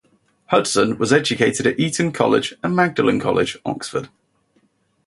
Hudson was educated at Eton College and Magdalen College, Oxford.